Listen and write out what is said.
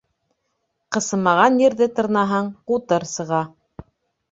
Ҡысымаған ерҙе тырнаһаң, ҡутыр сыға.